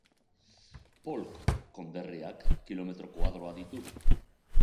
Polk konderriak kilometro koadro ditu.